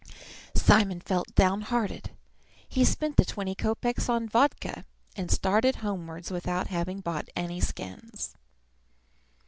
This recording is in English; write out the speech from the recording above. Simon felt downhearted. He spent the twenty kopeks on vodka, and started homewards without having bought any skins.